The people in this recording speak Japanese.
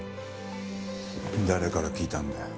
誰から聞いたんだよ。